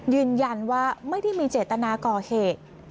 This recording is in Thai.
ยืนยันว่าไม่ได้มีเจตนาก่อเหตุ